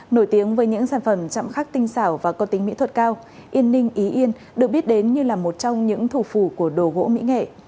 nổi tiếng với những sản phẩm chạm khắc tinh xảo và có tính mỹ thuật cao yên ninh ý yên được biết đến như là một trong những thủ phủ của đồ gỗ mỹ nghệ